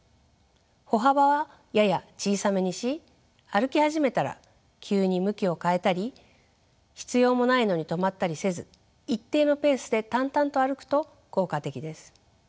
歩幅はやや小さめにし歩き始めたら急に向きを変えたり必要もないのに止まったりせず一定のペースで淡々と歩くと効果的です。